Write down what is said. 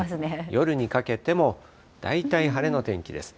夜にかけても、大体晴れの天気です。